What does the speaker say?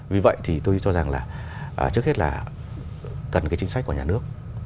vì vậy thì tôi cho rằng là trước hết là cần cái chính sách của nhà nước